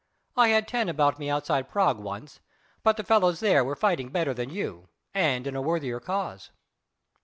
I had ten about me outside Prague once, but the fellows there were fighting better than you, and in a worthier cause."